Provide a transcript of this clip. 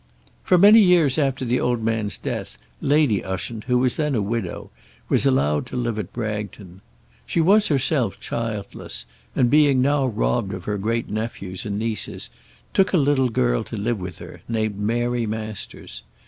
For many years after the old man's death, Lady Ushant, who was then a widow, was allowed to live at Bragton. She was herself childless, and being now robbed of her great nephews and nieces, took a little girl to live with her, named Mary Masters.